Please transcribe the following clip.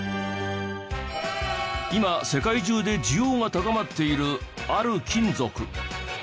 今世界中で需要が高まっているある金属。